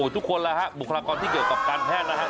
ทุกคนแล้วฮะบุคลากรที่เกี่ยวกับการแพทย์นะครับ